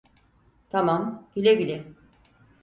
Tamam, güle güle.